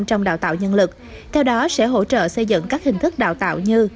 trong đào tạo nhân lực theo đó sẽ hỗ trợ xây dựng các hình thức đào tạo như